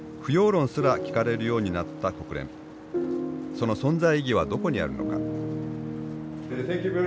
その存在意義はどこにあるのか。